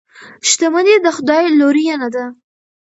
شتمني د خدای لورینه ده.